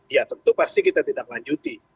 ya tentu pasti kita tindaklanjuti